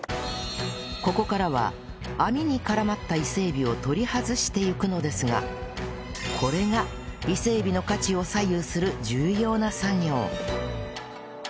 ここからは網に絡まった伊勢エビを取り外していくのですがこれが伊勢エビの価値を左右する重要な作業